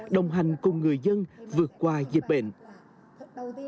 đồng hành cùng người dân vượt qua dịch bệnh